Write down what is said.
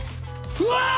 「うわ！」